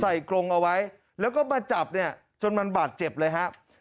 กรงเอาไว้แล้วก็มาจับเนี่ยจนมันบาดเจ็บเลยครับ